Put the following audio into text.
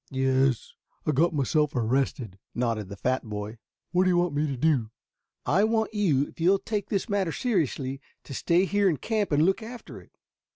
"Yes, I got myself arrested," nodded the fat boy. "What do you want me to do?" "I want you, if you will take this matter seriously, to stay here in camp and look after it."